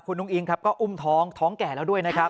คุณอุ้งอิงครับก็อุ้มท้องท้องแก่แล้วด้วยนะครับ